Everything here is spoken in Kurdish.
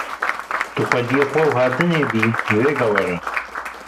Tu xwediyê xwe û hatinê bî, vêga were.